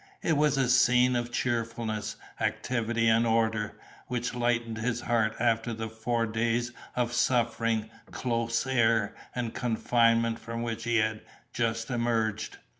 It was a scene of cheerfulness, activity, and order, which lightened his heart after the four days of suffering, close air, and confinement, from which he had just emerged.